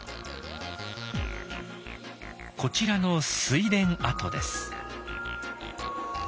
こちらの水田跡です。